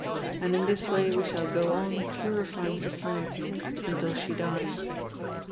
And in this way we shall goon purifying Society until she dies."